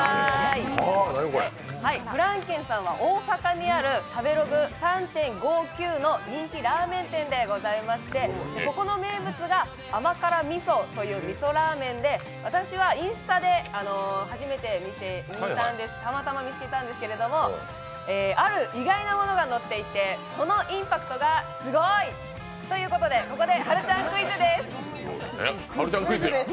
フラン軒さんは大阪にある食べログ３．５９の人気ラーメン店でございましてここの名物が甘辛ｍｉｓｏという味噌ラーメンで私はインスタで初めて見て、たまたま見つけたんですけれどもある意外なものが乗っていて、そのインパクトがすごーい！ということでここではるちゃんクイズです！